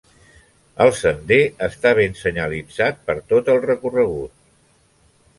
El sender està ben senyalitzat per tot el recorregut.